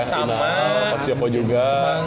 sama ya empat tiga poin juga